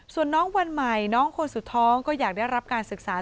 ส่วนน้องวันใหม่น้องคนสุดท้องก็อยากได้รับการศึกษา